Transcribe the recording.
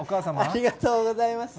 ありがとうございます。